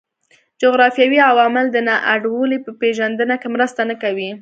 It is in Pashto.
جغرافیوي عوامل د نا انډولۍ په پېژندنه کې مرسته نه کوي.